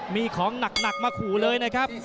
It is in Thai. มีของหนักมาขู่เลยนะครับ